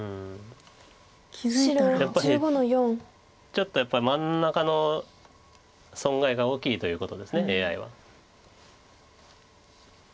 ちょっとやっぱり真ん中の損害が大きいということですＡＩは。